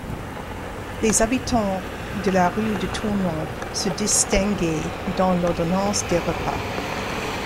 Les habitants de la rue de Tournon se distinguaient dans l'ordonnance des repas.